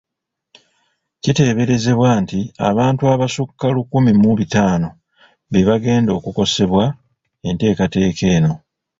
Kiteeberezebwa nti abantu abasukka lukumi mu bitaano be bagenda okukosebwa enteekateeka eno.